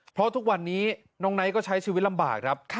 เพราะทุกวันนี้น้องไนท์ก็ใช้ชีวิตลำบากครับ